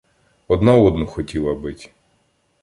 Одна одну хотіла бить.